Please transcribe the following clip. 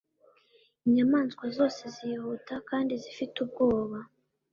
Inyamanswa zose zihuta kandi zifite ubwoba